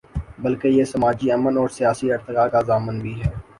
بلکہ یہ سماجی امن اور سیاسی ارتقا کا ضامن بھی ہے۔